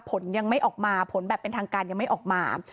ผลยังไม่ออกมาผลแบบเป็นทางการยังไม่ออกมา